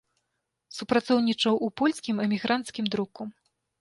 Супрацоўнічаў у польскім эмігранцкім друку.